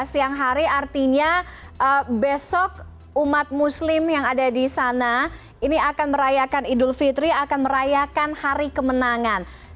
siang hari artinya besok umat muslim yang ada di sana ini akan merayakan idul fitri akan merayakan hari kemenangan